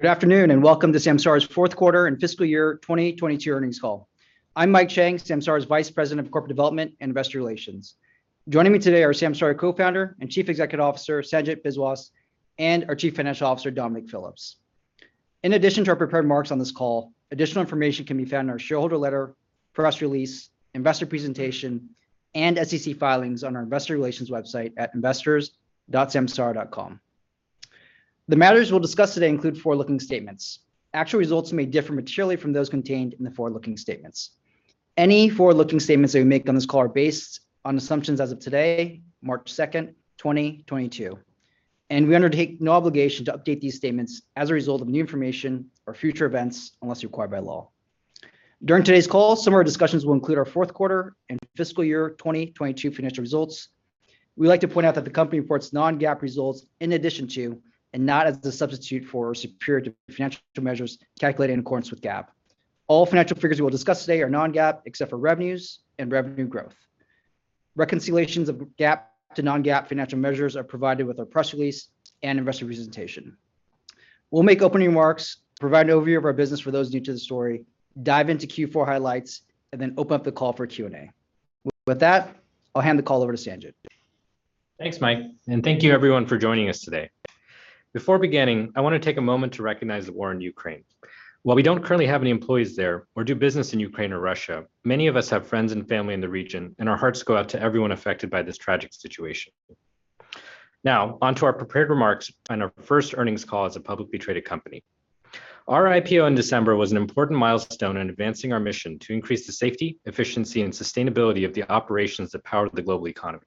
Good afternoon, and welcome to Samsara’s fourth quarter and fiscal year 2022 earnings call. I'm Mike Chang, Samsara’s Vice President of Corporate Development and Investor Relations. Joining me today are Samsara Co-Founder and Chief Executive Officer Sanjit Biswas and our Chief Financial Officer Dominic Phillips. In addition to our prepared remarks on this call, additional information can be found in our shareholder letter, press release, investor presentation, and SEC filings on our investor relations website at investors.samsara.com. The matters we'll discuss today include forward-looking statements. Actual results may differ materially from those contained in the forward-looking statements. Any forward-looking statements that we make on this call are based on assumptions as of today, March 2, 2022, and we undertake no obligation to update these statements as a result of new information or future events, unless required by law. During today's call, some of our discussions will include our fourth quarter and fiscal year 2022 financial results. We'd like to point out that the company reports non-GAAP results in addition to, and not as a substitute for, GAAP financial measures calculated in accordance with GAAP. All financial figures we'll discuss today are non-GAAP, except for revenues and revenue growth. Reconciliations of GAAP to non-GAAP financial measures are provided with our press release and investor presentation. We'll make opening remarks, provide an overview of our business for those new to the story, dive into Q4 highlights, and then open up the call for Q&A. With that, I'll hand the call over to Sanjit. Thanks, Mike, and thank you everyone for joining us today. Before beginning, I want to take a moment to recognize the war in Ukraine. While we don't currently have any employees there or do business in Ukraine or Russia, many of us have friends and family in the region, and our hearts go out to everyone affected by this tragic situation. Now, on to our prepared remarks on our first earnings call as a publicly traded company. Our IPO in December was an important milestone in advancing our mission to increase the safety, efficiency, and sustainability of the operations that power the global economy.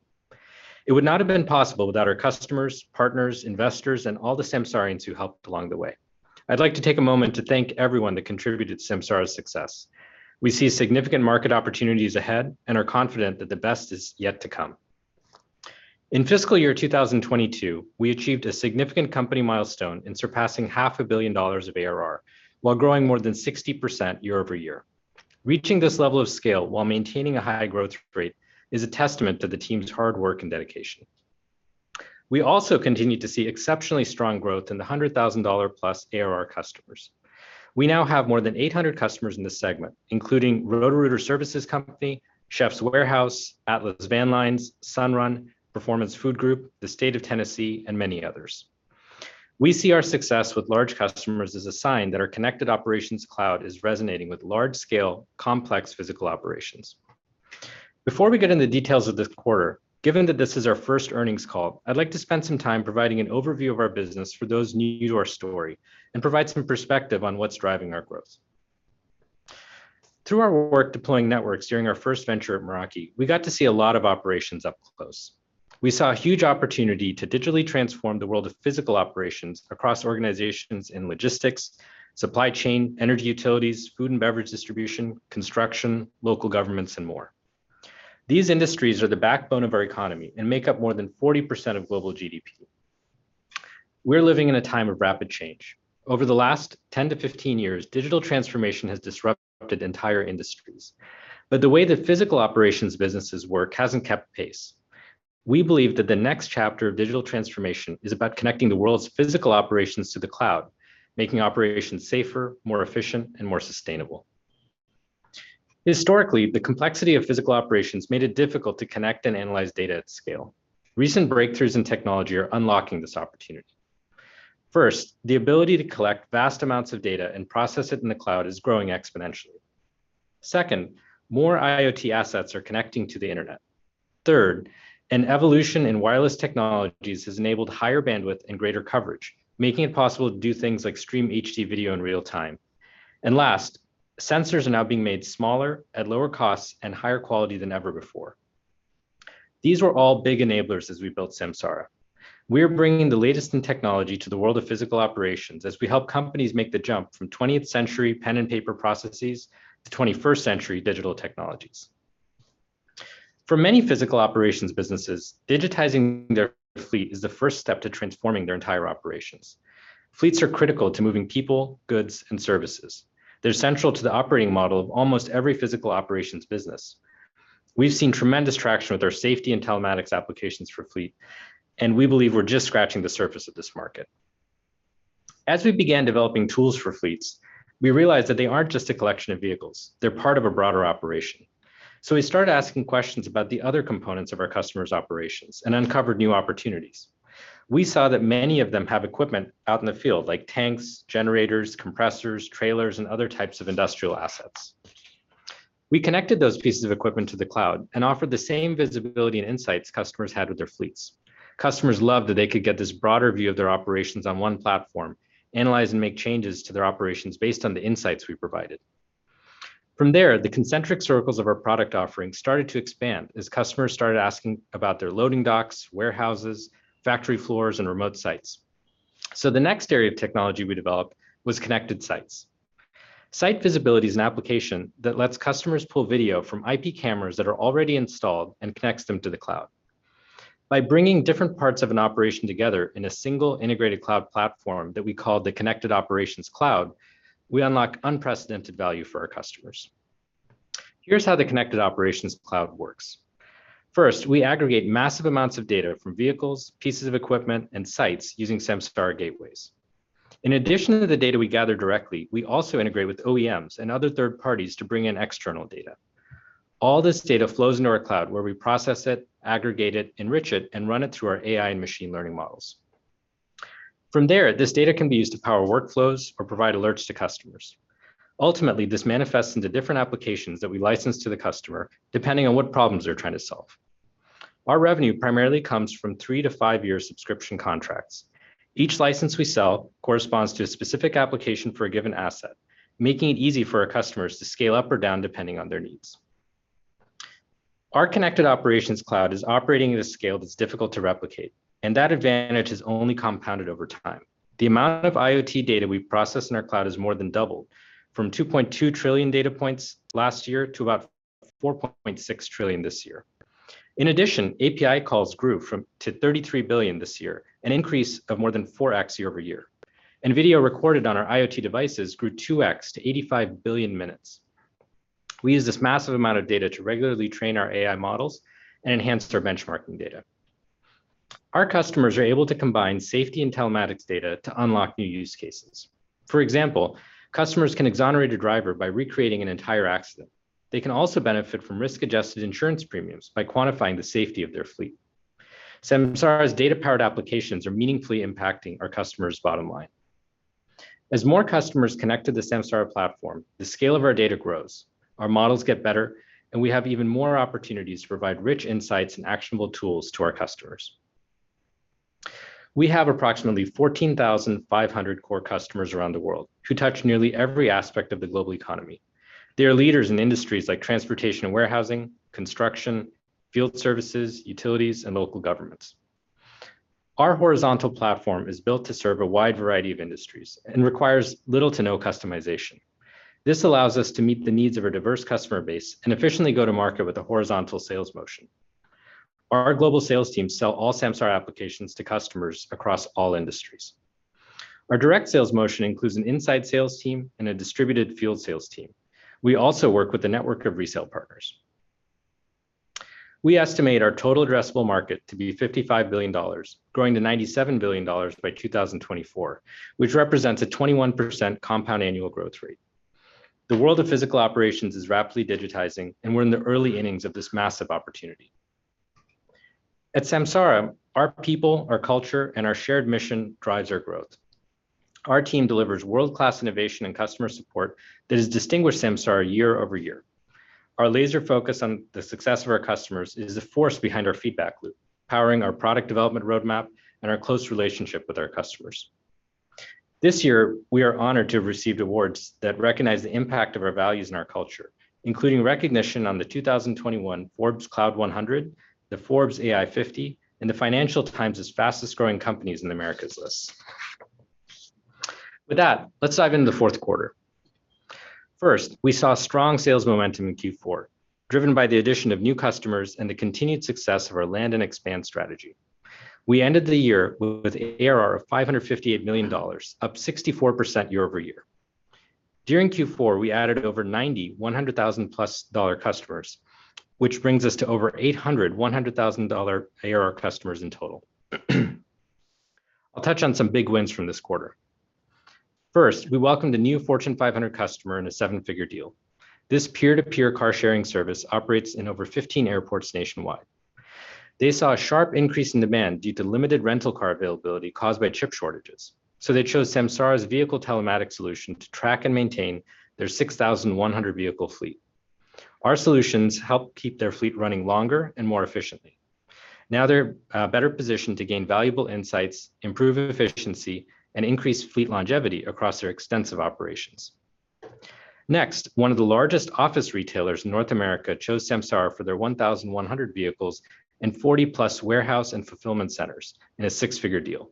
It would not have been possible without our customers, partners, investors, and all the Samsarians who helped along the way. I'd like to take a moment to thank everyone that contributed to Samsara’s success. We see significant market opportunities ahead and are confident that the best is yet to come. In fiscal year 2022, we achieved a significant company milestone in surpassing half a billion dollars of ARR while growing more than 60% year-over-year. Reaching this level of scale while maintaining a high growth rate is a testament to the team's hard work and dedication. We also continued to see exceptionally strong growth in the $100,000+ ARR customers. We now have more than 800 customers in this segment, including Roto-Rooter Services Company, The Chefs' Warehouse, Atlas Van Lines, Sunrun, Performance Food Group, the State of Tennessee, and many others. We see our success with large customers as a sign that our Connected Operations Cloud is resonating with large-scale, complex physical operations. Before we get into the details of this quarter, given that this is our first earnings call, I'd like to spend some time providing an overview of our business for those new to our story and provide some perspective on what's driving our growth. Through our work deploying networks during our first venture at Meraki, we got to see a lot of operations up close. We saw a huge opportunity to digitally transform the world of physical operations across organizations in logistics, supply chain, energy utilities, food and beverage distribution, construction, local governments, and more. These industries are the backbone of our economy and make up more than 40% of global GDP. We're living in a time of rapid change. Over the last 10-15 years, digital transformation has disrupted entire industries. The way that physical operations businesses work hasn't kept pace. We believe that the next chapter of digital transformation is about connecting the world's physical operations to the cloud, making operations safer, more efficient, and more sustainable. Historically, the complexity of physical operations made it difficult to connect and analyze data at scale. Recent breakthroughs in technology are unlocking this opportunity. First, the ability to collect vast amounts of data and process it in the cloud is growing exponentially. Second, more IoT assets are connecting to the internet. Third, an evolution in wireless technologies has enabled higher bandwidth and greater coverage, making it possible to do things like stream HD video in real time. Last, sensors are now being made smaller, at lower costs, and higher quality than ever before. These were all big enablers as we built Samsara. We're bringing the latest in technology to the world of physical operations as we help companies make the jump from twentieth-century pen and paper processes to twenty-first-century digital technologies. For many physical operations businesses, digitizing their fleet is the first step to transforming their entire operations. Fleets are critical to moving people, goods, and services. They're central to the operating model of almost every physical operations business. We've seen tremendous traction with our safety and telematics applications for fleet, and we believe we're just scratching the surface of this market. As we began developing tools for fleets, we realized that they aren't just a collection of vehicles, they're part of a broader operation. We started asking questions about the other components of our customers' operations and uncovered new opportunities. We saw that many of them have equipment out in the field, like tanks, generators, compressors, trailers, and other types of industrial assets. We connected those pieces of equipment to the cloud and offered the same visibility and insights customers had with their fleets. Customers loved that they could get this broader view of their operations on one platform, analyze and make changes to their operations based on the insights we provided. From there, the concentric circles of our product offering started to expand as customers started asking about their loading docks, warehouses, factory floors, and remote sites. The next area of technology we developed was connected sites. Site visibility is an application that lets customers pull video from IP cameras that are already installed and connects them to the cloud. By bringing different parts of an operation together in a single integrated cloud platform that we call the Connected Operations Cloud, we unlock unprecedented value for our customers. Here's how the Connected Operations Cloud works. First, we aggregate massive amounts of data from vehicles, pieces of equipment, and sites using Samsara gateways. In addition to the data we gather directly, we also integrate with OEMs and other third parties to bring in external data. All this data flows into our cloud, where we process it, aggregate it, enrich it, and run it through our AI and machine learning models. From there, this data can be used to power workflows or provide alerts to customers. Ultimately, this manifests into different applications that we license to the customer, depending on what problems they're trying to solve. Our revenue primarily comes from 3-5-year subscription contracts. Each license we sell corresponds to a specific application for a given asset, making it easy for our customers to scale up or down depending on their needs. Our Connected Operations Cloud is operating at a scale that's difficult to replicate, and that advantage is only compounded over time. The amount of IoT data we process in our cloud has more than doubled, from 2.2 trillion data points last year to about 4.6 trillion this year. In addition, API calls grew to 33 billion this year, an increase of more than 4× year-over-year. Video recorded on our IoT devices grew 2× to 85 billion minutes. We use this massive amount of data to regularly train our AI models and enhance their benchmarking data. Our customers are able to combine safety and telematics data to unlock new use cases. For example, customers can exonerate a driver by recreating an entire accident. They can also benefit from risk-adjusted insurance premiums by quantifying the safety of their fleet. Samsara’s data-powered applications are meaningfully impacting our customers' bottom line. As more customers connect to the Samsara platform, the scale of our data grows, our models get better, and we have even more opportunities to provide rich insights and actionable tools to our customers. We have approximately 14,500 core customers around the world who touch nearly every aspect of the global economy. They are leaders in industries like transportation and warehousing, construction, field services, utilities, and local governments. Our horizontal platform is built to serve a wide variety of industries and requires little to no customization. This allows us to meet the needs of our diverse customer base and efficiently go to market with a horizontal sales motion. Our global sales teams sell all Samsara applications to customers across all industries. Our direct sales motion includes an inside sales team and a distributed field sales team. We also work with a network of resale partners. We estimate our total addressable market to be $55 billion, growing to $97 billion by 2024, which represents a 21% compound annual growth rate. The world of physical operations is rapidly digitizing, and we're in the early innings of this massive opportunity. At Samsara, our people, our culture, and our shared mission drives our growth. Our team delivers world-class innovation and customer support that has distinguished Samsara year-over-year. Our laser focus on the success of our customers is the force behind our feedback loop, powering our product development roadmap and our close relationship with our customers. This year, we are honored to have received awards that recognize the impact of our values and our culture, including recognition on the 2021 Forbes Cloud 100, the Forbes AI 50, and the Financial Times' Fastest Growing Companies in the Americas list. With that, let's dive into the fourth quarter. First, we saw strong sales momentum in Q4, driven by the addition of new customers and the continued success of our land and expand strategy. We ended the year with ARR of $558 million, up 64% year-over-year. During Q4, we added over 90 $100,000+ customers, which brings us to over 800 $100,000 ARR customers in total. I'll touch on some big wins from this quarter. First, we welcomed a new Fortune 500 customer in a seven-figure deal. This peer-to-peer car sharing service operates in over 15 airports nationwide. They saw a sharp increase in demand due to limited rental car availability caused by chip shortages, so they chose Samsara’s vehicle telematics solution to track and maintain their 6,100 vehicle fleet. Our solutions help keep their fleet running longer and more efficiently. Now they're better positioned to gain valuable insights, improve efficiency, and increase fleet longevity across their extensive operations. Next, one of the largest office retailers in North America chose Samsara for their 1,100 vehicles and 40+ warehouse and fulfillment centers in a six-figure deal.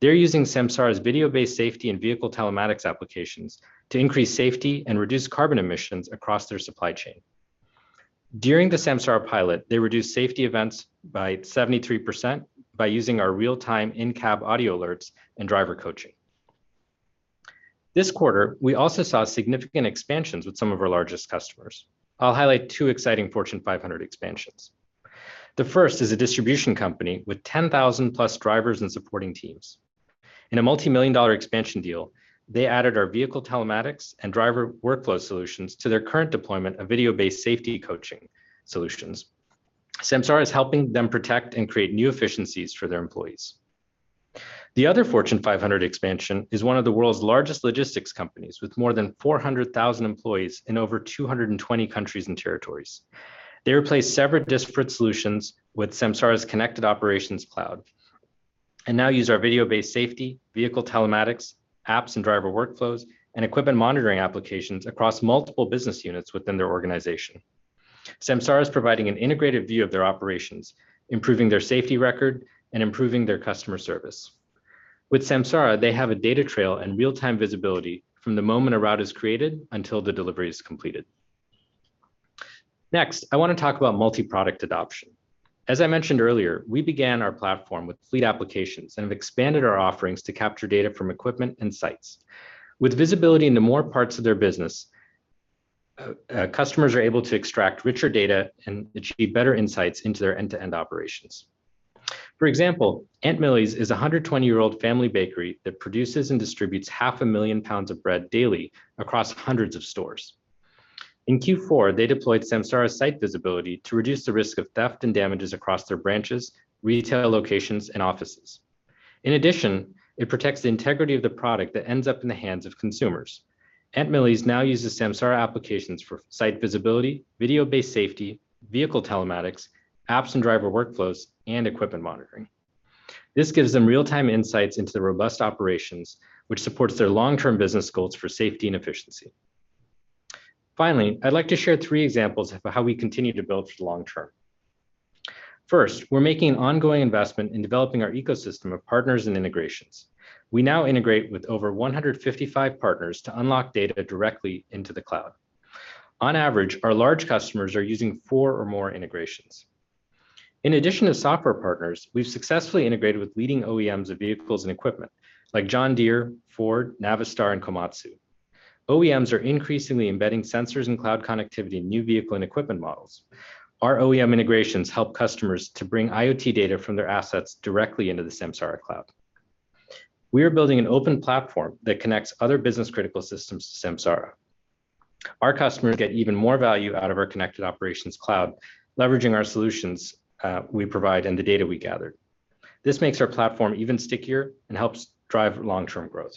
They're using Samsara’s video-based safety and vehicle telematics applications to increase safety and reduce carbon emissions across their supply chain. During the Samsara pilot, they reduced safety events by 73% by using our real-time in-cab audio alerts and driver coaching. This quarter, we also saw significant expansions with some of our largest customers. I'll highlight two exciting Fortune 500 expansions. The first is a distribution company with 10,000+ drivers and supporting teams. In a multi-million-dollar expansion deal, they added our vehicle telematics and driver workflow solutions to their current deployment of video-based safety coaching solutions. Samsara is helping them protect and create new efficiencies for their employees. The other Fortune 500 expansion is one of the world's largest logistics companies with more than 400,000 employees in over 220 countries and territories. They replaced several disparate solutions with Samsara’s Connected Operations Cloud and now use our video-based safety, vehicle telematics, apps, and driver workflows, and equipment monitoring applications across multiple business units within their organization. Samsara is providing an integrated view of their operations, improving their safety record, and improving their customer service. With Samsara, they have a data trail and real-time visibility from the moment a route is created until the delivery is completed. Next, I want to talk about multi-product adoption. As I mentioned earlier, we began our platform with fleet applications, and have expanded our offerings to capture data from equipment and sites. With visibility into more parts of their business, customers are able to extract richer data and achieve better insights into their end-to-end operations. For example, Aunt Millie's is a 120-year-old family bakery that produces and distributes 500,000 pounds of bread daily across hundreds of stores. In Q4, they deployed Samsara site visibility to reduce the risk of theft and damages across their branches, retail locations, and offices. In addition, it protects the integrity of the product that ends up in the hands of consumers. Aunt Millie's now uses Samsara applications for site visibility, video-based safety, vehicle telematics, apps and driver workflows, and equipment monitoring. This gives them real-time insights into the robust operations, which supports their long-term business goals for safety and efficiency. Finally, I'd like to share three examples of how we continue to build for the long term. First, we're making ongoing investment in developing our ecosystem of partners and integrations. We now integrate with over 155 partners to unlock data directly into the cloud. On average, our large customers are using four or more integrations. In addition to software partners, we've successfully integrated with leading OEMs of vehicles and equipment like John Deere, Ford, Navistar, and Komatsu. OEMs are increasingly embedding sensors and cloud connectivity in new vehicle and equipment models. Our OEM integrations help customers to bring IoT data from their assets directly into the Samsara cloud. We are building an open platform that connects other business-critical systems to Samsara. Our customers get even more value out of our Connected Operations Cloud, leveraging our solutions we provide and the data we gather. This makes our platform even stickier and helps drive long-term growth.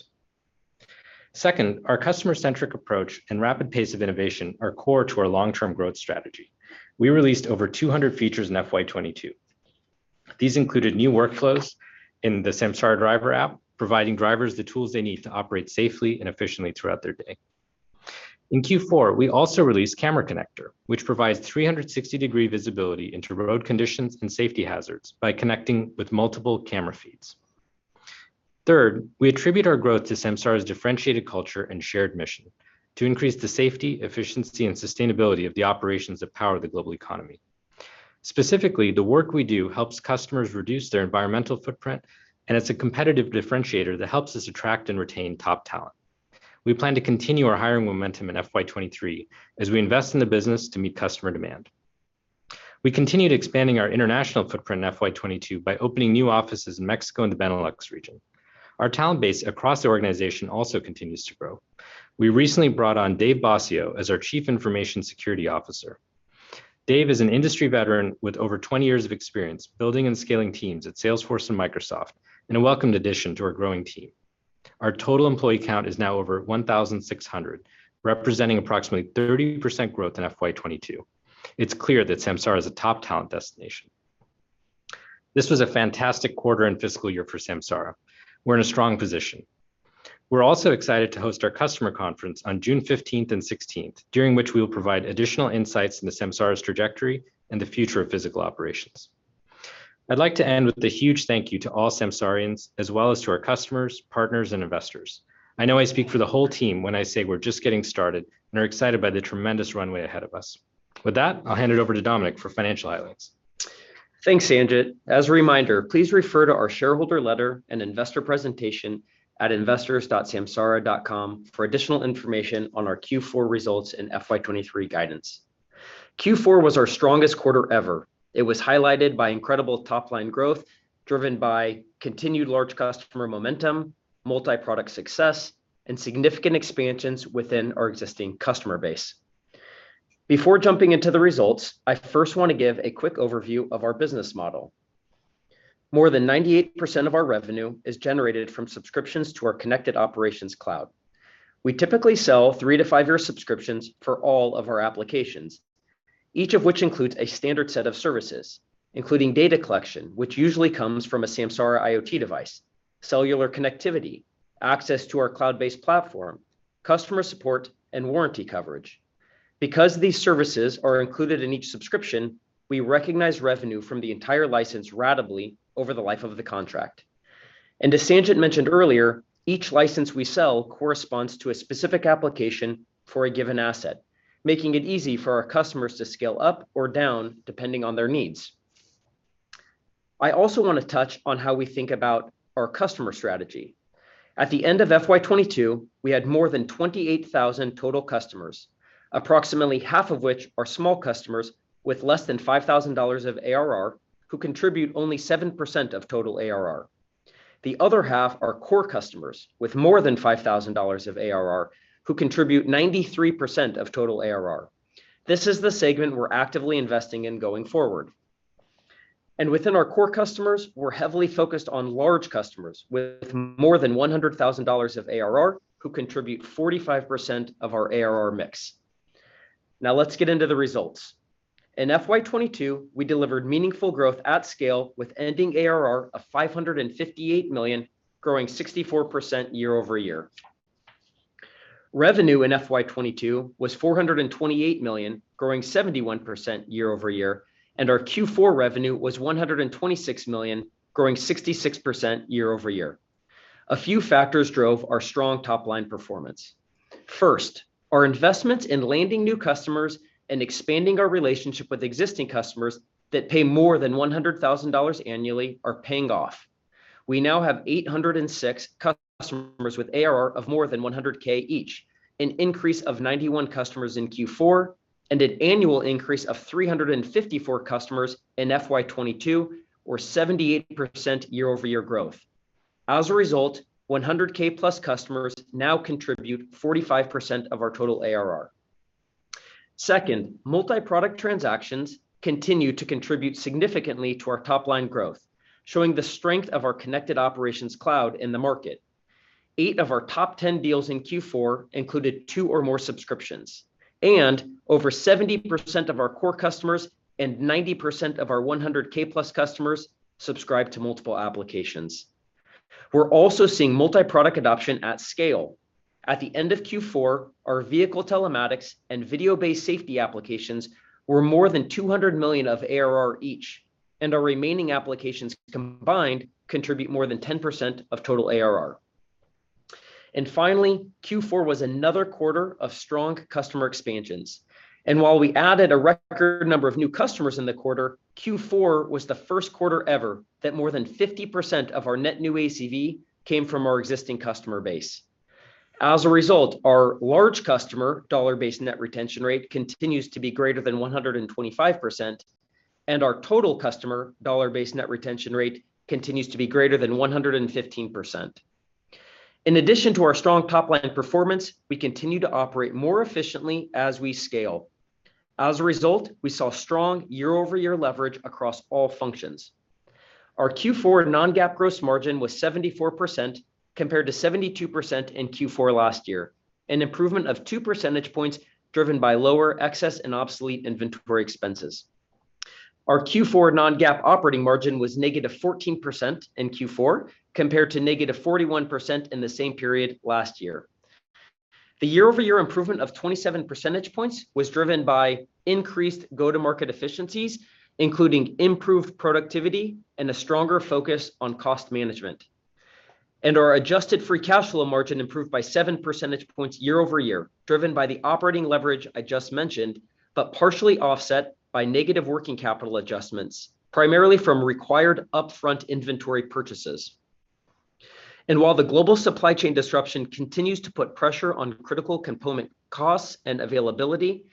Second, our customer-centric approach and rapid pace of innovation are core to our long-term growth strategy. We released over 200 features in FY 2022. These included new workflows in the Samsara driver app, providing drivers the tools they need to operate safely and efficiently throughout their day. In Q4, we also released Camera Connector, which provides 360-degree visibility into road conditions and safety hazards by connecting with multiple camera feeds. Third, we attribute our growth to Samsara’s differentiated culture and shared mission to increase the safety, efficiency, and sustainability of the operations that power the global economy. Specifically, the work we do helps customers reduce their environmental footprint, and it's a competitive differentiator that helps us attract and retain top talent. We plan to continue our hiring momentum in FY 2023 as we invest in the business to meet customer demand. We continued expanding our international footprint in FY 2022 by opening new offices in Mexico and the Benelux region. Our talent base across the organization also continues to grow. We recently brought on Dave Bossio as our Chief Information Security Officer. Dave is an industry veteran with over 20 years of experience building and scaling teams at Salesforce and Microsoft, and a welcomed addition to our growing team. Our total employee count is now over 1,600, representing approximately 30% growth in FY 2022. It's clear that Samsara is a top talent destination. This was a fantastic quarter and fiscal year for Samsara. We're in a strong position. We're also excited to host our customer conference on June 15 and 16, during which we will provide additional insights into Samsara’s trajectory and the future of physical operations. I'd like to end with a huge thank you to all Samsarians, as well as to our customers, partners, and investors. I know I speak for the whole team when I say we're just getting started and are excited by the tremendous runway ahead of us. With that, I'll hand it over to Dominic for financial highlights. Thanks, Sanjit. As a reminder, please refer to our shareholder letter and investor presentation at investors.samsara.com for additional information on our Q4 results and FY 2023 guidance. Q4 was our strongest quarter ever. It was highlighted by incredible top-line growth, driven by continued large customer momentum, multi-product success, and significant expansions within our existing customer base. Before jumping into the results, I first want to give a quick overview of our business model. More than 98% of our revenue is generated from subscriptions to our Connected Operations Cloud. We typically sell 3-to-5-year subscriptions for all of our applications, each of which includes a standard set of services, including data collection, which usually comes from a Samsara IoT device, cellular connectivity, access to our cloud-based platform, customer support, and warranty coverage. Because these services are included in each subscription, we recognize revenue from the entire license ratably over the life of the contract. As Sanjit mentioned earlier, each license we sell corresponds to a specific application for a given asset, making it easy for our customers to scale up or down depending on their needs. I also want to touch on how we think about our customer strategy. At the end of FY 2022, we had more than 28,000 total customers, approximately half of which are small customers with less than $5,000 of ARR who contribute only 7% of total ARR. The other half are core customers with more than $5,000 of ARR who contribute 93% of total ARR. This is the segment we're actively investing in going forward. Within our core customers, we're heavily focused on large customers with more than $100,000 of ARR who contribute 45% of our ARR mix. Now let's get into the results. In FY 2022, we delivered meaningful growth at scale with ending ARR of $558 million, growing 64% year-over-year. Revenue in FY 2022 was $428 million, growing 71% year-over-year, and our Q4 revenue was $126 million, growing 66% year-over-year. A few factors drove our strong top-line performance. First, our investments in landing new customers and expanding our relationship with existing customers that pay more than $100,000 annually are paying off. We now have 806 customers with ARR of more than $100,000 each, an increase of 91 customers in Q4, and an annual increase of 354 customers in FY 2022, or 78% year-over-year growth. As a result, $100,000+ customers now contribute 45% of our total ARR. Second, multi-product transactions continue to contribute significantly to our top line growth, showing the strength of our Connected Operations Cloud in the market. Eight of our top 10 deals in Q4 included 2 or more subscriptions, and over 70% of our core customers and 90% of our $100,000+ customers subscribe to multiple applications. We're also seeing multi-product adoption at scale. At the end of Q4, our vehicle telematics and video-based safety applications were more than 200 million of ARR each, and our remaining applications combined contribute more than 10% of total ARR. Finally, Q4 was another quarter of strong customer expansions. While we added a record number of new customers in the quarter, Q4 was the first quarter ever that more than 50% of our net new ACV came from our existing customer base. As a result, our large customer dollar-based net retention rate continues to be greater than 125%, and our total customer dollar-based net retention rate continues to be greater than 115%. In addition to our strong top line performance, we continue to operate more efficiently as we scale. As a result, we saw strong year-over-year leverage across all functions. Our Q4 non-GAAP gross margin was 74%, compared to 72% in Q4 last year, an improvement of 2 percentage points driven by lower excess and obsolete inventory expenses. Our Q4 non-GAAP operating margin was negative 14% in Q4, compared to negative 41% in the same period last year. The year-over-year improvement of 27 percentage points was driven by increased go-to-market efficiencies, including improved productivity and a stronger focus on cost management. Our adjusted free cash flow margin improved by 7 percentage points year-over-year, driven by the operating leverage I just mentioned, but partially offset by negative working capital adjustments, primarily from required upfront inventory purchases. While the global supply chain disruption continues to put pressure on critical component costs and availability,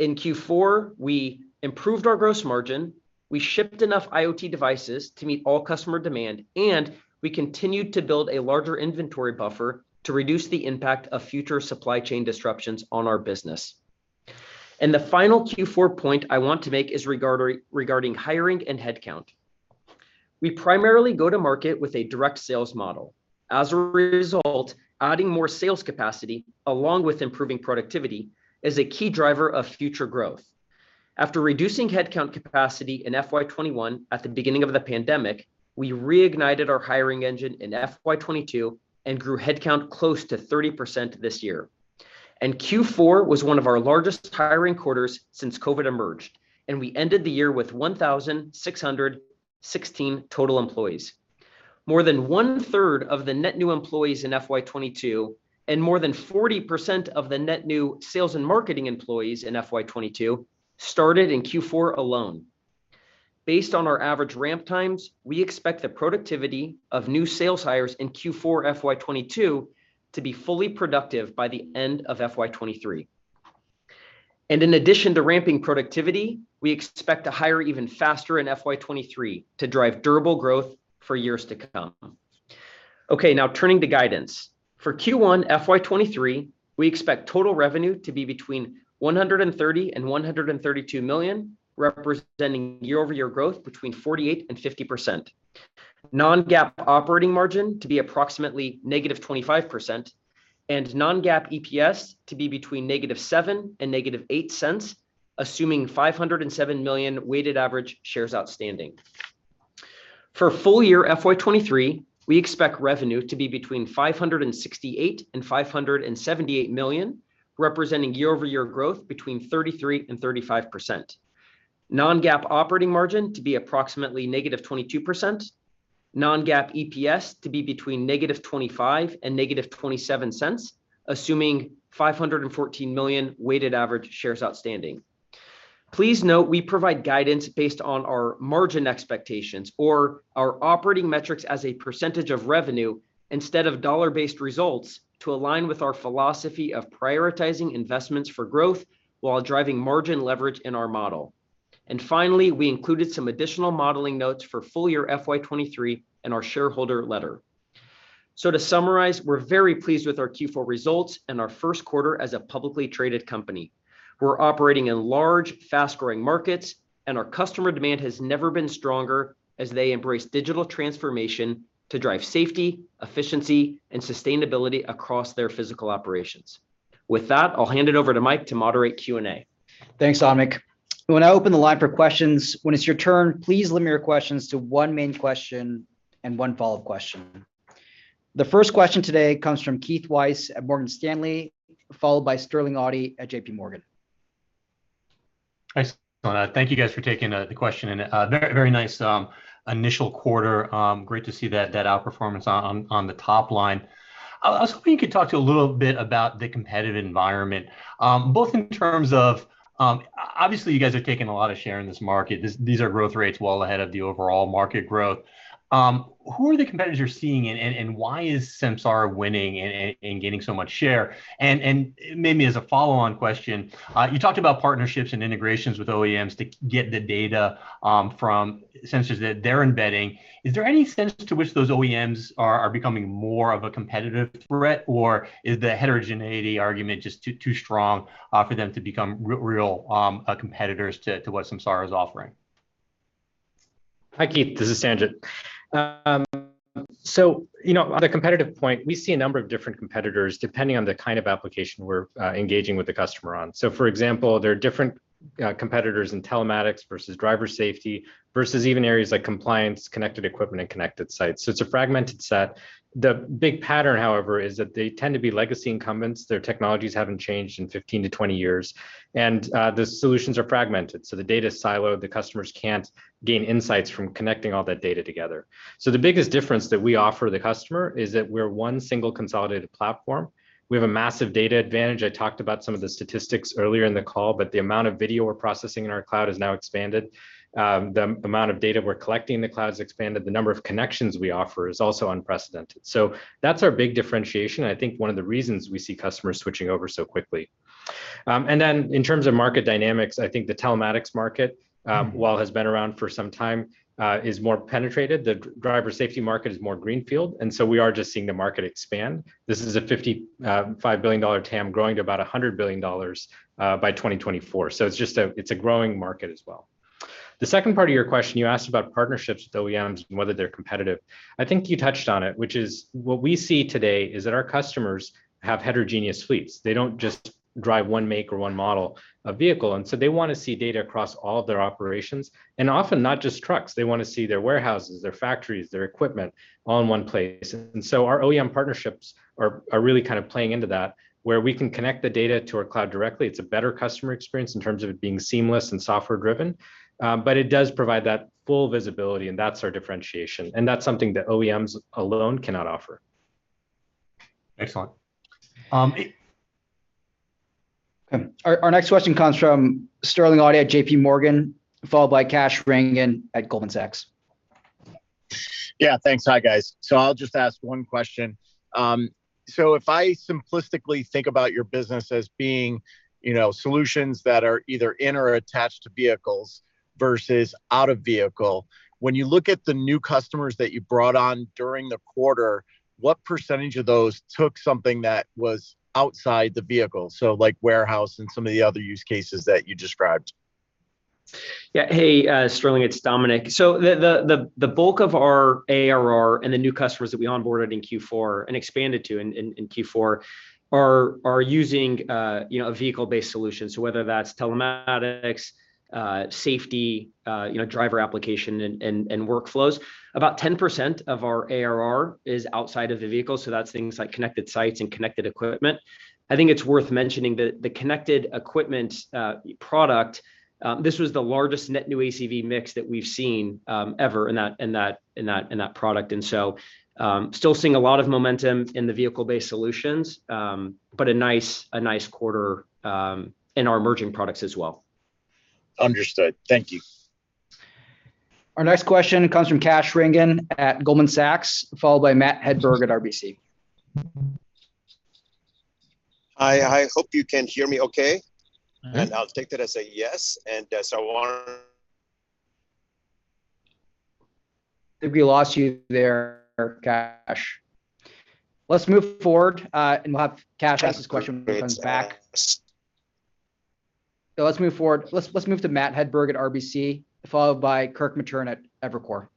in Q4 we improved our gross margin, we shipped enough IoT devices to meet all customer demand, and we continued to build a larger inventory buffer to reduce the impact of future supply chain disruptions on our business. The final Q4 point I want to make is regarding hiring and headcount. We primarily go to market with a direct sales model. As a result, adding more sales capacity, along with improving productivity, is a key driver of future growth. After reducing headcount capacity in FY 2021 at the beginning of the pandemic, we reignited our hiring engine in FY 2022 and grew headcount close to 30% this year. Q4 was one of our largest hiring quarters since COVID emerged, and we ended the year with 1,616 total employees. More than one-third of the net new employees in FY 2022 and more than 40% of the net new sales and marketing employees in FY 2022 started in Q4 alone. Based on our average ramp times, we expect the productivity of new sales hires in Q4 FY 2022 to be fully productive by the end of FY 2023. In addition to ramping productivity, we expect to hire even faster in FY 2023 to drive durable growth for years to come. Okay, now turning to guidance. For Q1 FY 2023, we expect total revenue to be between $130 million and $132 million, representing year-over-year growth between 48% and 50%. Non-GAAP operating margin to be approximately -25%, and non-GAAP EPS to be between -$0.07 and -$0.08, assuming 507 million weighted average shares outstanding. For full year FY 2023, we expect revenue to be between $568 million and $578 million, representing year-over-year growth between 33% and 35%. Non-GAAP operating margin to be approximately -22%. Non-GAAP EPS to be between -$0.25 and -$0.27, assuming 514 million weighted average shares outstanding. Please note we provide guidance based on our margin expectations or our operating metrics as a percentage of revenue instead of dollar-based results to align with our philosophy of prioritizing investments for growth while driving margin leverage in our model. Finally, we included some additional modeling notes for full year FY 2023 in our shareholder letter. To summarize, we're very pleased with our Q4 results and our first quarter as a publicly traded company. We're operating in large, fast-growing markets, and our customer demand has never been stronger as they embrace digital transformation to drive safety, efficiency, and sustainability across their physical operations. With that, I'll hand it over to Mike to moderate Q&A. Thanks, Dominic. When I open the line for questions, when it's your turn, please limit your questions to one main question and one follow-up question. The first question today comes from Keith Weiss at Morgan Stanley, followed by Sterling Auty at JPMorgan. Nice. Well, I thank you guys for taking the question. Very nice initial quarter, great to see that outperformance on the top line. I was hoping you could talk a little bit about the competitive environment, both in terms of obviously you guys are taking a lot of share in this market. These are growth rates well ahead of the overall market growth. Who are the competitors you're seeing, and why is Samsara winning and getting so much share? Maybe as a follow-on question, you talked about partnerships and integrations with OEMs to get the data from sensors that they're embedding. Is there any sense to which those OEMs are becoming more of a competitive threat or is the heterogeneity argument just too strong for them to become real competitors to what Samsara is offering? Hi Keith, this is Sanjit. You know on a competitive point, we see a number of different competitors depending on the kind of application we're engaging with the customer on. For example, there are different competitors in telematics versus driver safety versus even areas like compliance, connected equipment and connected sites. It's a fragmented set. The big pattern, however, is that they tend to be legacy incumbents. Their technologies haven't changed in 15-20 years, and the solutions are fragmented. The data is siloed, the customers can't gain insights from connecting all that data together. The biggest difference that we offer the customer is that we're one single consolidated platform. We have a massive data advantage. I talked about some of the statistics earlier in the call, but the amount of video we're processing in our cloud has now expanded. The amount of data we're collecting in the cloud has expanded. The number of connections we offer is also unprecedented. That's our big differentiation, and I think one of the reasons we see customers switching over so quickly. In terms of market dynamics, I think the telematics market, while has been around for some time, is more penetrated. The driver safety market is more greenfield, and so we are just seeing the market expand. This is a $55 billion TAM growing to about $100 billion by 2024. It's just a growing market as well. The second part of your question, you asked about partnerships with OEMs and whether they're competitive. I think you touched on it, which is what we see today is that our customers have heterogeneous fleets. They don't just drive one make or one model of vehicle, and so they wanna see data across all of their operations, and often not just trucks. They wanna see their warehouses, their factories, their equipment all in one place. Our OEM partnerships are really kind of playing into that where we can connect the data to our cloud directly. It's a better customer experience in terms of it being seamless and software driven. It does provide that full visibility and that's our differentiation, and that's something that OEMs alone cannot offer. Excellent. Okay. Our next question comes from Sterling Auty at JPMorgan, followed by Kash Rangan at Goldman Sachs. Yeah, thanks. Hi guys. I'll just ask one question. If I simplistically think about your business as being, you know, solutions that are either in or attached to vehicles versus out-of-vehicle, when you look at the new customers that you brought on during the quarter, what percentage of those took something that was outside the vehicle? Like warehouse and some of the other use cases that you described. Yeah. Hey, Sterling, it's Dominic. The bulk of our ARR and the new customers that we onboarded in Q4 and expanded to in Q4 are using you know, a vehicle-based solution. Whether that's telematics, safety, you know, driver application and workflows. About 10% of our ARR is outside of the vehicle, so that's things like connected sites and connected equipment. I think it's worth mentioning the connected equipment product, this was the largest net new ACV mix that we've seen ever in that product. Still seeing a lot of momentum in the vehicle-based solutions, but a nice quarter in our emerging products as well. Understood. Thank you. Our next question comes from Kash Rangan at Goldman Sachs, followed by Matt Hedberg at RBC. I hope you can hear me okay. Mm-hmm. I'll take that as a yes, and so I think we lost you there, Kash. Let's move forward, and we'll have Kash ask his question when he comes back. Let's move forward. Let's move to Matt Hedberg at RBC, followed by Kirk Materne at Evercore.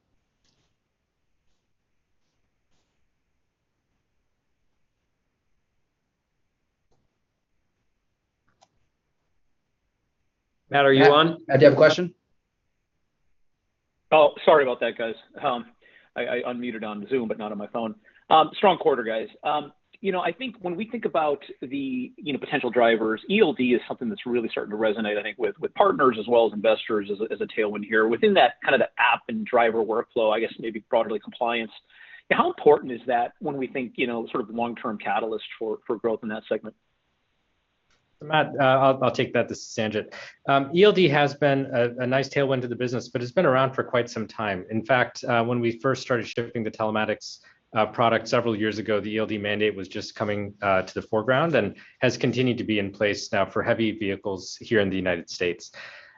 Matt, are you on? Matt, do you have a question? Oh, sorry about that, guys. I unmuted on Zoom, but not on my phone. Strong quarter, guys. You know, I think when we think about the potential drivers, ELD is something that's really starting to resonate, I think, with partners as well as investors as a tailwind here. Within that kind of the app and driver workflow, I guess maybe broadly compliance, how important is that when we think, you know, sort of long-term catalyst for growth in that segment? Matt, I'll take that. This is Sanjit. ELD has been a nice tailwind to the business, but it's been around for quite some time. In fact, when we first started shipping the telematics product several years ago, the ELD mandate was just coming to the foreground and has continued to be in place now for heavy vehicles here in the United States.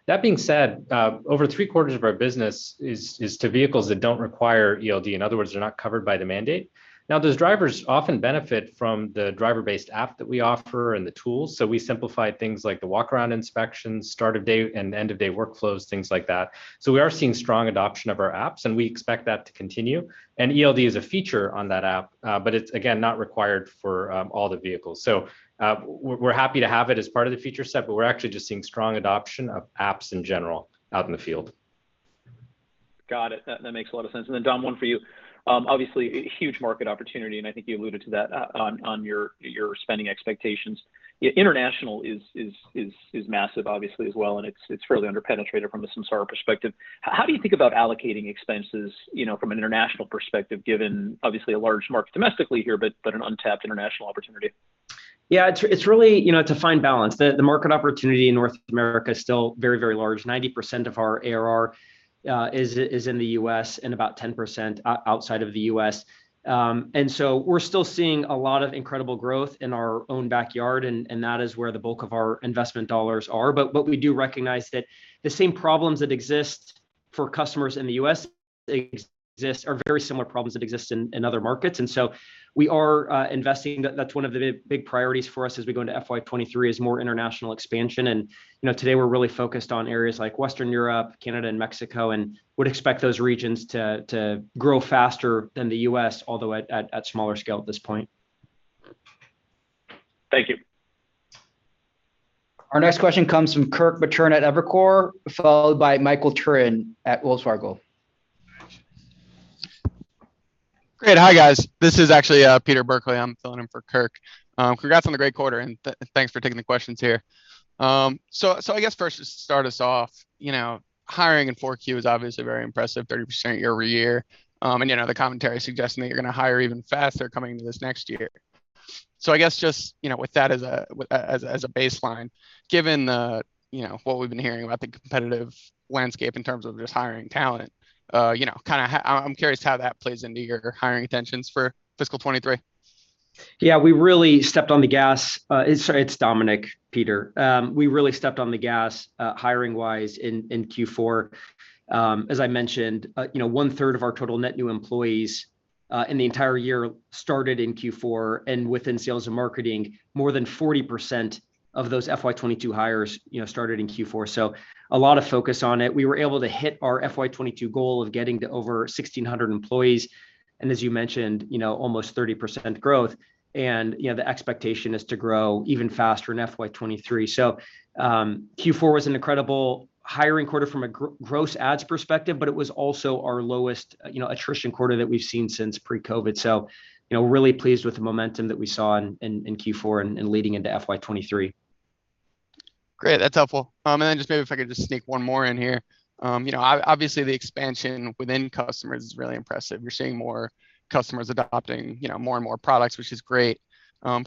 That being said, over three-quarters of our business is to vehicles that don't require ELD. In other words, they're not covered by the mandate. Now, those drivers often benefit from the driver-based app that we offer and the tools, so we simplify things like the walk-around inspections, start-of-day and end-of-day workflows, things like that. We are seeing strong adoption of our apps, and we expect that to continue. ELD is a feature on that app, but it's again, not required for all the vehicles. We're happy to have it as part of the feature set, but we're actually just seeing strong adoption of apps in general out in the field. Got it. That makes a lot of sense. Dom, one for you. Obviously a huge market opportunity, and I think you alluded to that on your spending expectations. International is massive obviously as well, and it's fairly under-penetrated from a Samsara perspective. How do you think about allocating expenses, you know, from an international perspective, given obviously a large market domestically here, but an untapped international opportunity? Yeah. It's really. You know, it's a fine balance. The market opportunity in North America is still very, very large. 90% of our ARR is in the U.S. and about 10% outside of the U.S. We're still seeing a lot of incredible growth in our own backyard, and that is where the bulk of our investment dollars are. We do recognize that the same problems that exist for customers in the U.S. are very similar problems that exist in other markets. We are investing. That's one of the big priorities for us as we go into FY 2023, is more international expansion. You know, today we're really focused on areas like Western Europe, Canada, and Mexico, and would expect those regions to grow faster than the U.S., although at smaller scale at this point. Thank you. Our next question comes from Kirk Materne at Evercore, followed by Michael Turrin at Wells Fargo. Great. Hi, guys. This is actually Peter Levine. I'm filling in for Kirk. Congrats on the great quarter, and thanks for taking the questions here. I guess first just to start us off, you know, hiring in 4Q is obviously very impressive, 30% year-over-year. You know, the commentary suggesting that you're gonna hire even faster coming into this next year. I guess just, you know, with that as a baseline, given what we've been hearing about the competitive landscape in terms of just hiring talent, you know, kind of I'm curious how that plays into your hiring intentions for fiscal 2023. Yeah. We really stepped on the gas. Sorry, it's Dominic, Peter. We really stepped on the gas hiring-wise in Q4. As I mentioned, you know, one-third of our total net new employees in the entire year started in Q4, and within sales and marketing, more than 40% of those FY 2022 hires, you know, started in Q4. A lot of focus on it. We were able to hit our FY 2022 goal of getting to over 1,600 employees, and as you mentioned, you know, almost 30% growth. You know, the expectation is to grow even faster in FY 2023. Q4 was an incredible hiring quarter from a gross adds perspective, but it was also our lowest, you know, attrition quarter that we've seen since pre-COVID. You know, really pleased with the momentum that we saw in Q4 and leading into FY 2023. Great. That's helpful. Just maybe if I could just sneak one more in here. You know, obviously the expansion within customers is really impressive. You're seeing more customers adopting, you know, more and more products, which is great.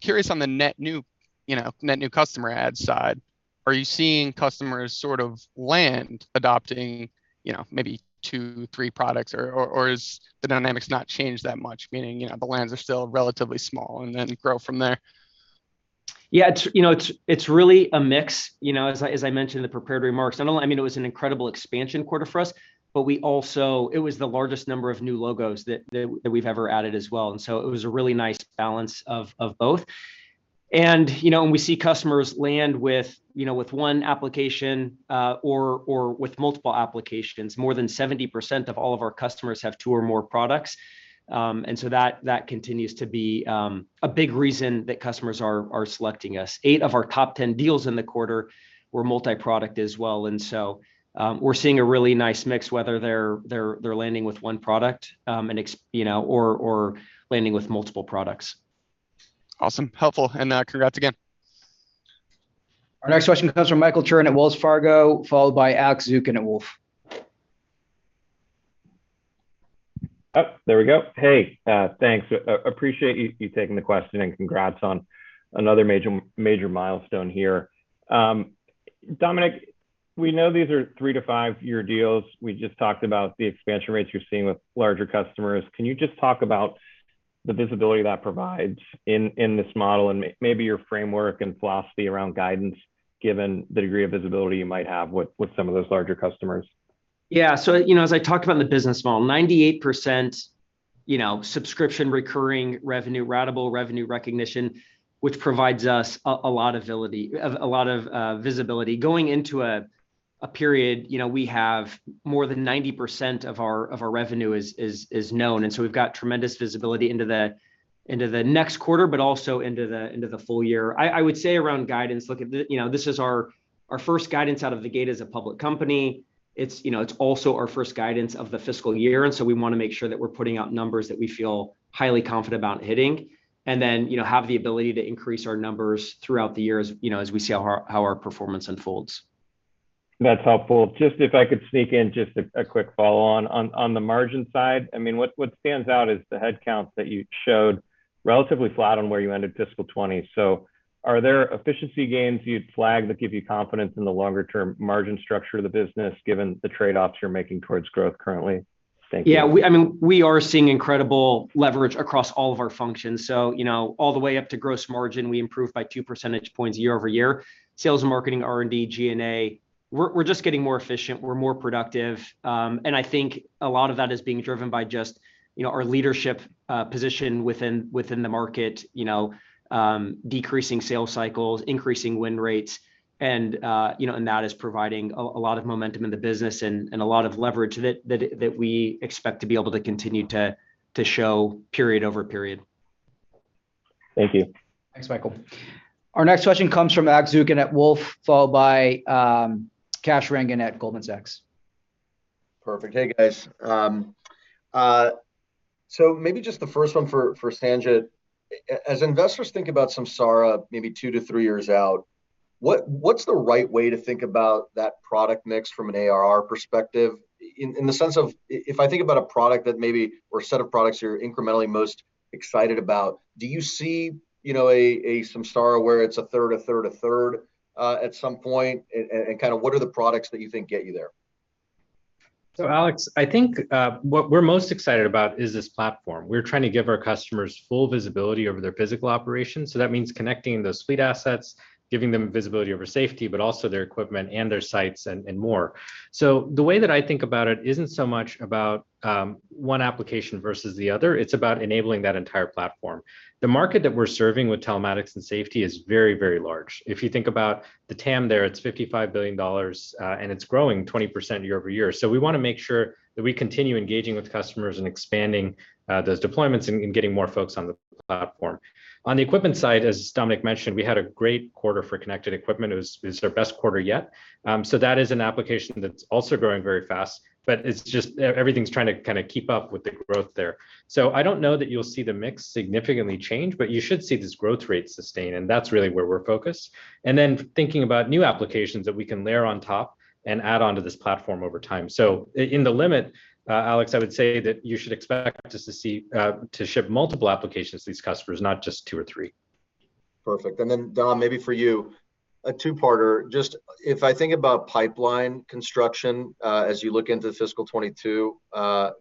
Curious on the net new, you know, net new customer add side, are you seeing customers sort of land adopting, you know, maybe 2, 3 products, or has the dynamics not changed that much, meaning, you know, the lands are still relatively small and then grow from there? Yeah. It's, you know, really a mix. You know, as I mentioned in the prepared remarks, not only, I mean, it was an incredible expansion quarter for us, but we also. It was the largest number of new logos that we've ever added as well, and so it was a really nice balance of both. You know, we see customers land with, you know, with one application or with multiple applications. More than 70% of all of our customers have two or more products. That continues to be a big reason that customers are selecting us. 8 of our top 10 deals in the quarter were multi-product as well. We're seeing a really nice mix, whether they're landing with one product, you know, or landing with multiple products. Awesome. Helpful. Congrats again. Our next question comes from Michael Turrin at Wells Fargo, followed by Alex Zukin at Wolfe. Oh, there we go. Hey. Thanks. Appreciate you taking the question, and congrats on another major milestone here. Dominic, we know these are 3- to 5-year deals. We just talked about the expansion rates you're seeing with larger customers. Can you just talk about the visibility that provides in this model and maybe your framework and philosophy around guidance given the degree of visibility you might have with some of those larger customers? Yeah. You know, as I talked about in the business model, 98%, you know, subscription recurring revenue, ratable revenue recognition, which provides us a lot of visibility. Going into a period, you know, we have more than 90% of our revenue is known, and we've got tremendous visibility into the next quarter, but also into the full year. I would say around guidance. You know, this is our first guidance out of the gate as a public company. It's, you know, it's also our first guidance of the fiscal year, and so we wanna make sure that we're putting out numbers that we feel highly confident about hitting and then, you know, have the ability to increase our numbers throughout the year as, you know, as we see how our performance unfolds. That's helpful. Just if I could sneak in just a quick follow-on. On the margin side, I mean, what stands out is the headcounts that you showed relatively flat on where you ended fiscal 2020. Are there efficiency gains you'd flag that give you confidence in the longer term margin structure of the business given the trade-offs you're making towards growth currently? Thank you. Yeah. I mean, we are seeing incredible leverage across all of our functions, so, you know, all the way up to gross margin, we improved by 2 percentage points year-over-year. Sales and marketing, R&D, G&A, we're just getting more efficient. We're more productive. I think a lot of that is being driven by just, you know, our leadership position within the market. You know, decreasing sales cycles, increasing win rates, and, you know, and that is providing a lot of momentum in the business and a lot of leverage that we expect to be able to continue to show period-over-period. Thank you. Thanks, Michael. Our next question comes from Alex Zukin at Wolfe, followed by Kash Rangan at Goldman Sachs. Perfect. Hey, guys. So maybe just the first one for Sanjit. As investors think about Samsara maybe 2-3 years out, what's the right way to think about that product mix from an ARR perspective? In the sense of if I think about a product or a set of products you're incrementally most excited about, do you see, you know, a Samsara where it's a third, a third, a third at some point? Kinda what are the products that you think get you there? Alex, I think what we're most excited about is this platform. We're trying to give our customers full visibility over their physical operations, so that means connecting those fleet assets, giving them visibility over safety, but also their equipment and their sites and more. The way that I think about it isn't so much about one application versus the other, it's about enabling that entire platform. The market that we're serving with telematics and safety is very large. If you think about the TAM there, it's $55 billion and it's growing 20% year-over-year. We wanna make sure that we continue engaging with customers and expanding those deployments and getting more folks on the platform. On the equipment side, as Dominic mentioned, we had a great quarter for connected equipment. It was our best quarter yet. That is an application that's also growing very fast, but it's just everything's trying to kinda keep up with the growth there. I don't know that you'll see the mix significantly change, but you should see this growth rate sustain, and that's really where we're focused, and then thinking about new applications that we can layer on top and add on to this platform over time. In the limit, Alex, I would say that you should expect us to ship multiple applications to these customers, not just two or three. Perfect. Dominic, maybe for you, a two-parter. Just if I think about pipeline construction, as you look into fiscal 2022,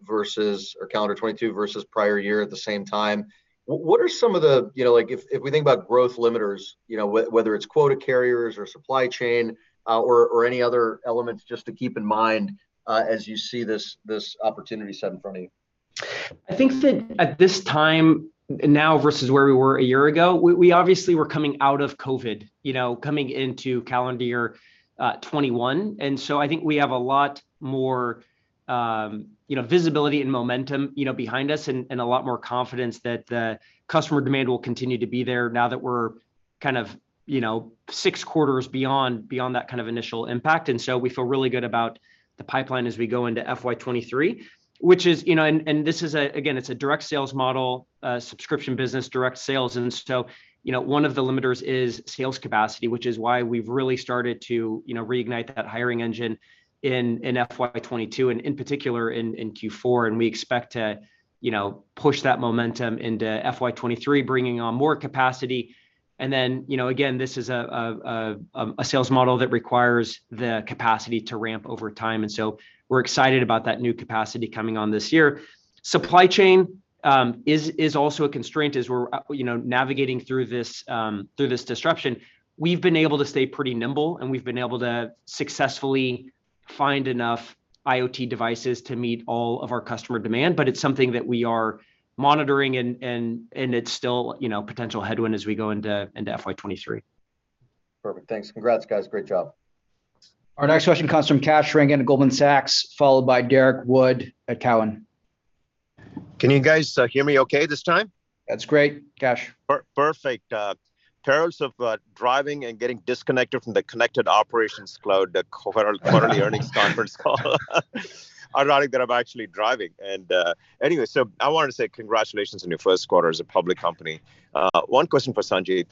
versus, or calendar 2022 versus prior year at the same time, what are some of the—you know, like, if we think about growth limiters, you know, whether it's quota carriers or supply chain, or any other elements just to keep in mind, as you see this opportunity set in front of you? I think that at this time now versus where we were a year ago, we obviously were coming out of COVID, you know, coming into calendar year 2021. I think we have a lot more, you know, visibility and momentum, you know, behind us and a lot more confidence that the customer demand will continue to be there now that we're kind of, you know, six quarters beyond that kind of initial impact. We feel really good about the pipeline as we go into FY 2023, which is.—you know, this is a, again, it's a direct sales model, subscription business, direct sales. One of the limiters is sales capacity, which is why we've really started to, you know, reignite that hiring engine in FY 2022, and in particular in Q4. We expect to, you know, push that momentum into FY 2023, bringing on more capacity. You know, again, this is a sales model that requires the capacity to ramp over time and so we're excited about that new capacity coming on this year. Supply chain is also a constraint as we're, you know, navigating through this disruption. We've been able to stay pretty nimble, and we've been able to successfully find enough IoT devices to meet all of our customer demand, but it's something that we are monitoring and it's still, you know, potential headwind as we go into FY 2023. Perfect. Thanks. Congrats, guys. Great job. Our next question comes from Kash Rangan at Goldman Sachs, followed by Derrick Wood at Cowen. Can you guys hear me okay this time? That's great, Kash. Perfect. Perils of driving and getting disconnected from the Connected Operations Cloud, the quarterly earnings conference call, are knowing that I'm actually driving. I wanted to say congratulations on your first quarter as a public company. One question for Sanjit.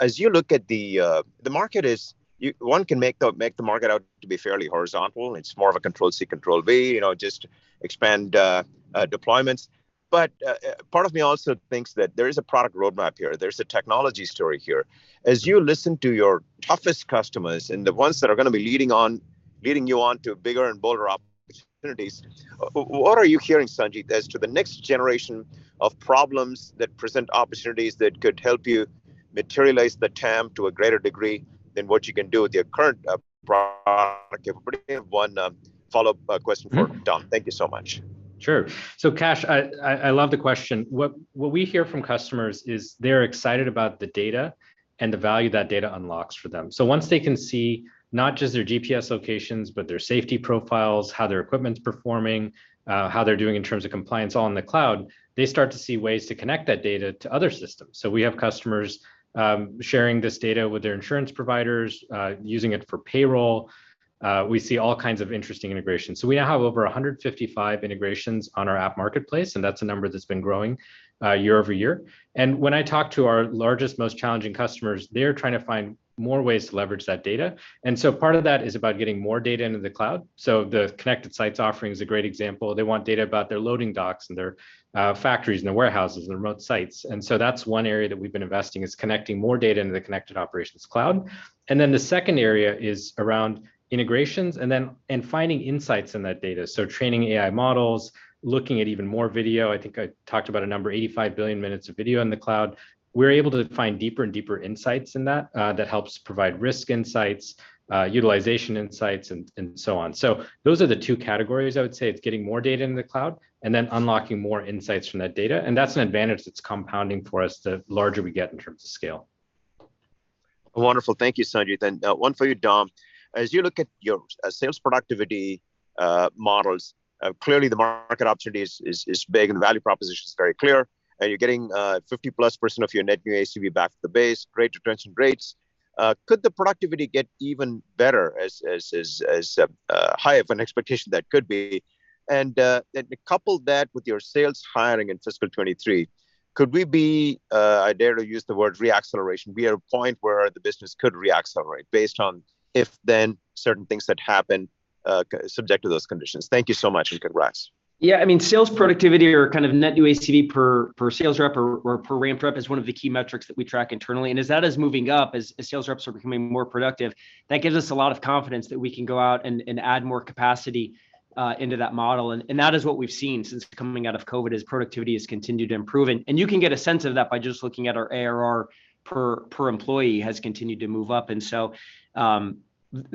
As you look at the market, one can make the market out to be fairly horizontal. It's more of a Control-C, Control-V. You know, just expand deployments. Part of me also thinks that there is a product roadmap here. There's a technology story here. As you listen to your toughest customers, and the ones that are gonna be leading you on to bigger and bolder opportunities, what are you hearing, Sanjit, as to the next generation of problems that present opportunities that could help you materialize the TAM to a greater degree than what you can do with your current product offering? One, follow-up, question- Mm-hmm for Dom. Thank you so much Sure. Kash, I love the question. What we hear from customers is they're excited about the data and the value that data unlocks for them. Once they can see not just their GPS locations, but their safety profiles, how their equipment's performing, how they're doing in terms of compliance all in the cloud, they start to see ways to connect that data to other systems. We have customers sharing this data with their insurance providers, using it for payroll. We see all kinds of interesting integrations. We now have over 155 integrations on our app marketplace, and that's a number that's been growing year over year. When I talk to our largest, most challenging customers, they're trying to find more ways to leverage that data. Part of that is about getting more data into the cloud. The Connected Sites offering is a great example. They want data about their loading docks and their factories and their warehouses and remote sites. That's one area that we've been investing is connecting more data into the Connected Operations Cloud. The second area is around integrations and finding insights in that data. Training AI models, looking at even more video. I think I talked about a number, 85 billion minutes of video in the cloud. We're able to find deeper and deeper insights in that that helps provide risk insights, utilization insights, and so on. Those are the two categories I would say. It's getting more data into the cloud and then unlocking more insights from that data, and that's an advantage that's compounding for us the larger we get in terms of scale. Wonderful. Thank you, Sanjit. One for you, Dom. As you look at your sales productivity models, clearly the market opportunity is big, and the value proposition's very clear, and you're getting 50%+ of your net new ACV back to the base, great retention rates. Could the productivity get even better as a higher expectation that could be? Couple that with your sales hiring in fiscal 2023, could we be, I dare to use the word re-acceleration? We are at a point where the business could re-accelerate based on if then certain things that happen, subject to those conditions. Thank you so much, and congrats. Yeah, I mean, sales productivity or kind of net new ACV per sales rep or per ramp rep is one of the key metrics that we track internally. As that is moving up, as sales reps are becoming more productive, that gives us a lot of confidence that we can go out and add more capacity into that model. That is what we've seen since coming out of COVID. Productivity has continued to improve. You can get a sense of that by just looking at our ARR per employee, which has continued to move up,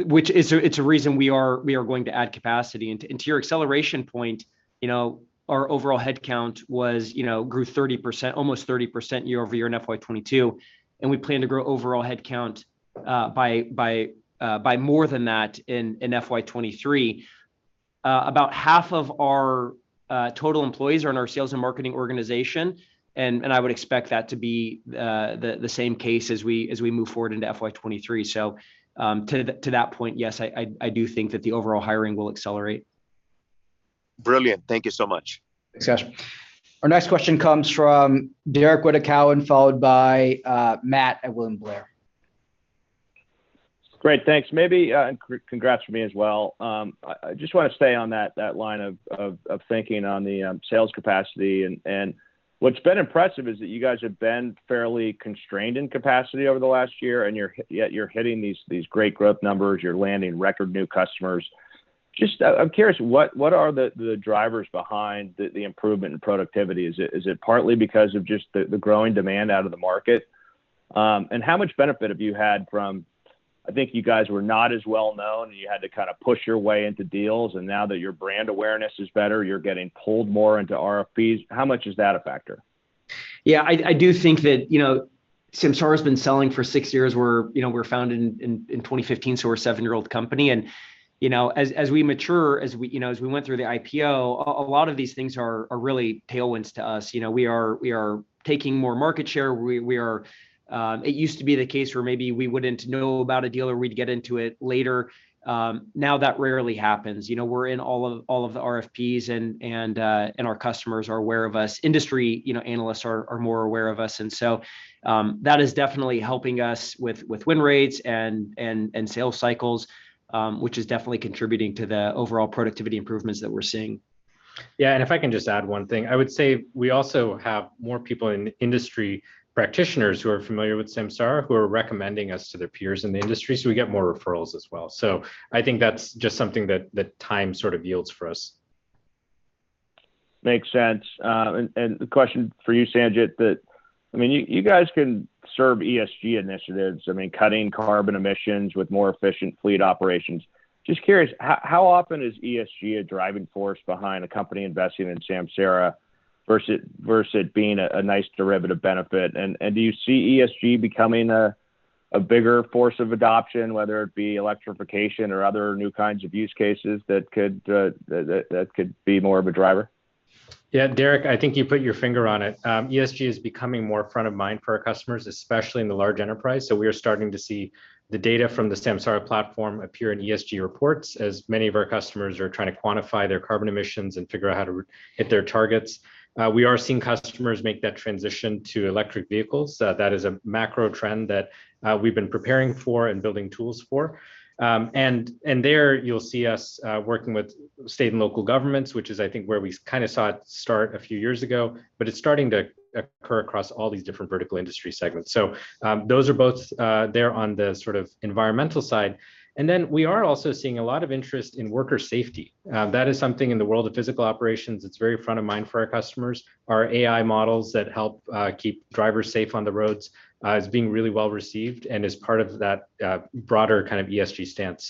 which is a reason we are going to add capacity. To your acceleration point, you know, our overall headcount grew 30%, almost 30% year-over-year in FY 2022, and we plan to grow overall headcount by more than that in FY 2023. About half of our total employees are in our sales and marketing organization, and I would expect that to be the same case as we move forward into FY 2023. To that point, yes, I do think that the overall hiring will accelerate. Brilliant. Thank you so much. Thanks, Kash. Our next question comes from Derrick Wood and followed by Matt at William Blair. Great. Thanks. Maybe, and congrats from me as well. I just wanna stay on that line of thinking on the sales capacity. What's been impressive is that you guys have been fairly constrained in capacity over the last year, and yet you're hitting these great growth numbers. You're landing record new customers. Just, I'm curious, what are the drivers behind the improvement in productivity? Is it partly because of just the growing demand out of the market? How much benefit have you had from, I think you guys were not as well known, and you had to kind of push your way into deals. Now that your brand awareness is better, you're getting pulled more into RFPs. How much is that a factor? Yeah. I do think that, you know, Samsara’s been selling for six years. We're, you know, we were founded in 2015, so we're a seven-year-old company. You know, as we mature, as we, you know, as we went through the IPO, a lot of these things are really tailwinds to us. You know, we are taking more market share. We are, it used to be the case where maybe we wouldn't know about a deal, or we'd get into it later. Now that rarely happens. You know, we're in all of the RFPs, and our customers are aware of us. Industry analysts, you know, are more aware of us. That is definitely helping us with win rates and sales cycles, which is definitely contributing to the overall productivity improvements that we're seeing. Yeah, if I can just add one thing. I would say we also have more industry practitioners who are familiar with Samsara who are recommending us to their peers in the industry, so we get more referrals as well. I think that's just something that time sort of yields for us. Makes sense. A question for you, Sanjit. I mean, you guys can serve ESG initiatives, I mean, cutting carbon emissions with more efficient fleet operations. Just curious, how often is ESG a driving force behind a company investing in Samsara versus it being a nice derivative benefit? Do you see ESG becoming a bigger force of adoption, whether it be electrification or other new kinds of use cases that could be more of a driver? Yeah, Derrick, I think you put your finger on it. ESG is becoming more front of mind for our customers, especially in the large enterprise, so we are starting to see the data from the Samsara platform appear in ESG reports, as many of our customers are trying to quantify their carbon emissions and figure out how to hit their targets. We are seeing customers make that transition to electric vehicles. That is a macro trend that we've been preparing for and building tools for. There you'll see us working with state and local governments, which is, I think, where we kind of saw it start a few years ago, but it's starting to occur across all these different vertical industry segments. Those are both there on the sort of environmental side. We are also seeing a lot of interest in worker safety. That is something in the world of physical operations that's very front of mind for our customers. Our AI models that help keep drivers safe on the roads is being really well-received and is part of that broader kind of ESG stance.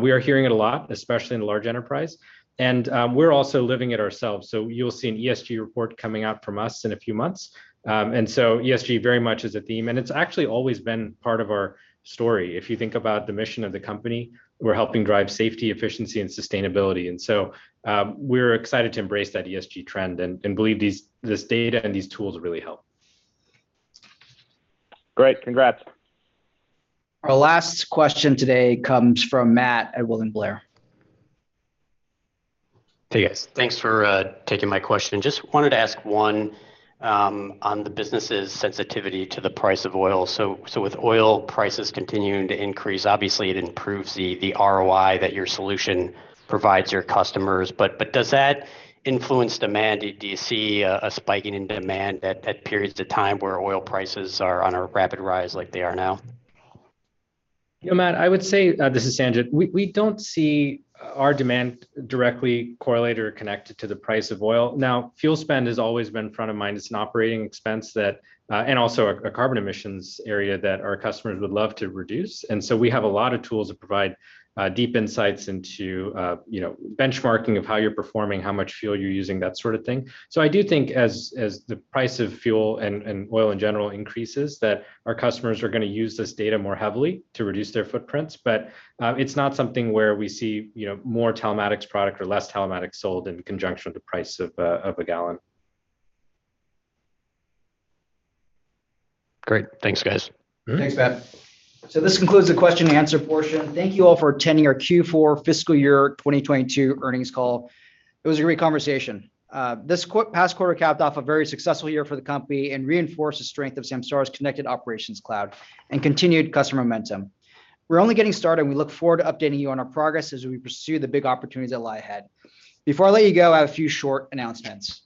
We are hearing it a lot, especially in the large enterprise. We're also living it ourselves, so you'll see an ESG report coming out from us in a few months. ESG very much is a theme, and it's actually always been part of our story. If you think about the mission of the company, we're helping drive safety, efficiency, and sustainability. We're excited to embrace that ESG trend and believe this data and these tools really help. Great. Congrats. Our last question today comes from Matt at William Blair. Hey, guys. Thanks for taking my question. Just wanted to ask one on the business's sensitivity to the price of oil. With oil prices continuing to increase, obviously it improves the ROI that your solution provides your customers. Does that influence demand? Do you see a spike in demand at periods of time where oil prices are on a rapid rise like they are now? Yeah, Matt, I would say, this is Sanjit. We don't see our demand directly correlated or connected to the price of oil. Now, fuel spend has always been front of mind. It's an operating expense that, and also a carbon emissions area that our customers would love to reduce. We have a lot of tools that provide deep insights into, you know, benchmarking of how you're performing, how much fuel you're using, that sort of thing. I do think as the price of fuel and oil in general increases, that our customers are gonna use this data more heavily to reduce their footprints. It's not something where we see, you know, more telematics product or less telematics sold in conjunction with the price of a gallon. Great. Thanks, guys. Thanks, Matt. This concludes the question and answer portion. Thank you all for attending our Q4 fiscal year 2022 earnings call. It was a great conversation. Past quarter capped off a very successful year for the company and reinforced the strength of Samsara’s Connected Operations Cloud and continued customer momentum. We're only getting started, and we look forward to updating you on our progress as we pursue the big opportunities that lie ahead. Before I let you go, I have a few short announcements.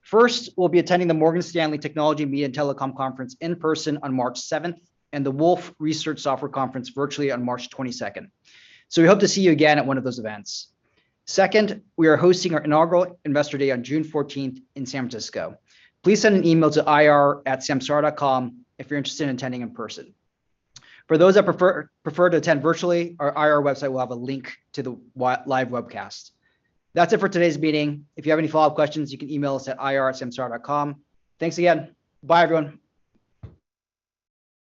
First, we'll be attending the Morgan Stanley Technology, Media & Telecom Conference in person on March 7, and the Wolfe Research Software Conference virtually on March 22. We hope to see you again at one of those events. Second, we are hosting our inaugural Investor Day on June 14, in San Francisco. Please send an email to ir@samsara.com if you're interested in attending in person. For those that prefer to attend virtually, our IR website will have a link to the live webcast. That's it for today's meeting. If you have any follow-up questions, you can email us at ir@samsara.com. Thanks again. Bye, everyone.